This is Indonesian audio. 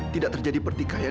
tidak terjadi pertikaian